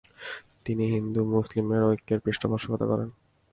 তিনি হিন্দু-মুসলিম ঐক্যের পৃষ্ঠপোষকতা করেন।